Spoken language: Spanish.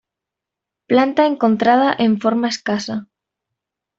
Planta encontrada en forma escasa.